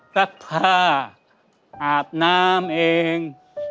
ก็ข้าอาบน้ำเอง